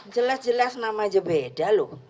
jelas jelas namanya beda loh